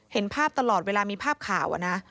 เห็นภาพตลอดเวลามีภาพข่าวอะนะ